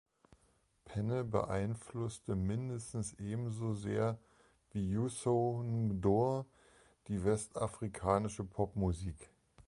Pene beeinflusste mindestens ebenso sehr wie Youssou N’Dour die westafrikanische Popmusik.